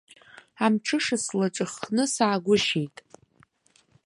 Амҽыша слаҿыххны саагәышьеит.